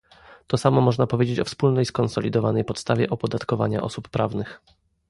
To samo można powiedzieć o wspólnej skonsolidowanej podstawie opodatkowania osób prawnych